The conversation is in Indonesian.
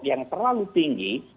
yang terlalu tinggi